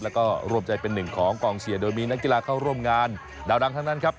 แล้วก็รวมใจเป็นหนึ่งของกองเชียร์โดยมีนักกีฬาเข้าร่วมงานดาวดังทั้งนั้นครับ